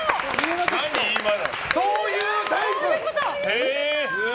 そういうタイプ？